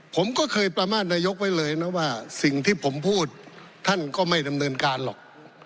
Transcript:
ผมก็เคยประมาทนายกไว้เลยนะว่าสิ่งที่ผมพูดท่านก็ไม่ดำเนินการหรอก